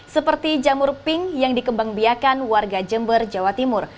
seperti jamur pink yang dikembangbiakan warga jember jawa timur